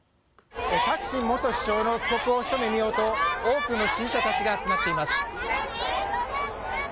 タクシン元首相の帰国を一目見ようと多くの支持者たちが集まっています。